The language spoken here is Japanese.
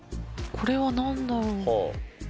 これなんだろう？